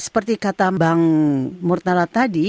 seperti kata bang murtala tadi